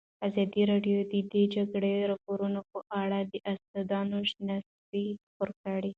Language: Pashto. ازادي راډیو د د جګړې راپورونه په اړه د استادانو شننې خپرې کړي.